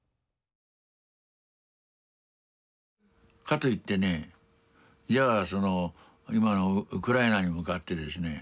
かといってねじゃあその今のウクライナに向かってですね